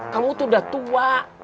kamu tuh udah tua